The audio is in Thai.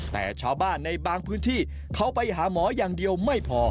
แต่ชาวบ้านในบางพื้นที่เขาไปหาหมออย่างเดียวไม่พอ